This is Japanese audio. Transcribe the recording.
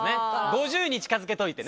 ５０に近付けといてね。